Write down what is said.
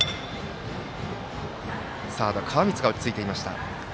サード、川満が落ち着いていました。